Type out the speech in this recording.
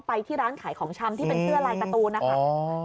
ที่ร้านขายของชำที่เป็นเสื้อลายการ์ตูนนะคะ